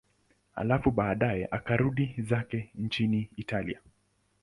Halafu baadaye akarudi zake nchini Italia.